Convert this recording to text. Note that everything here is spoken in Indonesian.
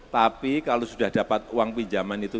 tapi kalau sudah dapat uang pinjaman itu